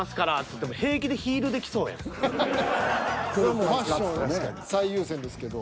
もうファッション最優先ですけど。